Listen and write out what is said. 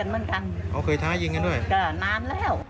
เอาเคยท้ายิงกันด้วย